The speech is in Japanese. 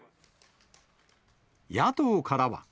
野党からは。